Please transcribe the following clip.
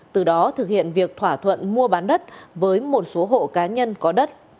từ đó thực hiện việc thỏa thuận mua bán đất với một số hộ cá nhân có đất